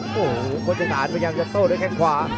โอ้โหโฆษณานพยายามจะโต้ด้วยแข้งขวา